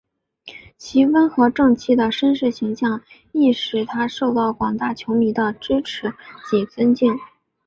其温和正气的绅士形象亦使他受到广大球迷的支持及尊敬。